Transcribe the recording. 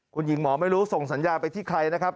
คุณหญิงหมอไม่รู้ส่งสัญญาไปที่ใครนะครับ